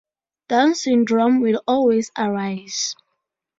Down syndrome, will always arise.